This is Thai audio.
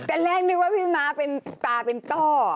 ตอนแรกนึกว่าพี่ม้าเป็นตาเป็นต้อ